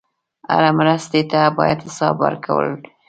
هره مرستې ته باید حساب ورکړل شي.